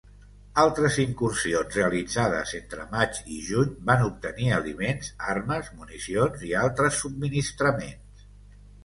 Altres incursions realitzades entre maig i juny van obtenir aliments, armes, municions i altres subministraments.